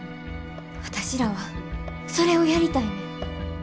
私らはそれをやりたいねん。